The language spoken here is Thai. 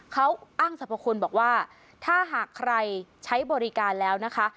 เขาอ้างสรรพคุณบอกว่าถ้าหากใครใช้บริการแล้วนะคะ